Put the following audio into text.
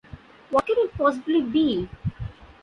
What can it possibly be?